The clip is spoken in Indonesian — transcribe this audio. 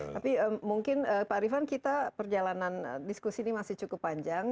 tapi mungkin pak ariefan kita perjalanan diskusi ini masih cukup panjang